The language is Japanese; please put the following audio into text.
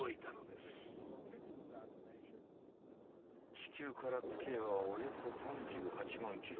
地球から月へはおよそ３８万キロ。